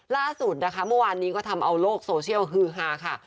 ล่าสุดนะคะเมื่อวานนี้ก็ทำเอาโลกโซเชียลฮือฮาค่ะ